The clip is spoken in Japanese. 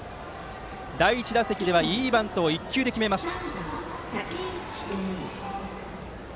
第１打席ではいいバントを１球で決めました。